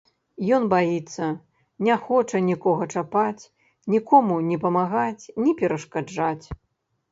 Ён баіцца, не хоча нікога чапаць, нікому ні памагаць, ні перашкаджаць.